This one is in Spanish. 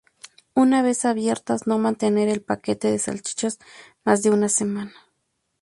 Una vez abiertas no mantener el paquete de salchichas más de una semana.